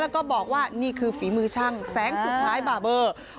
แล้วก็บอกว่านี่คือฝีมือช่างแสงสุดท้ายบาเบอร์